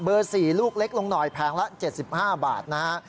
๔ลูกเล็กลงหน่อยแผงละ๗๕บาทนะฮะ